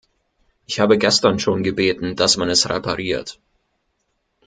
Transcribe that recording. Ich habe gestern schon gebeten, dass man es repariert.